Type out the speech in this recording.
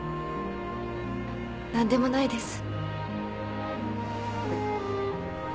何でもないです。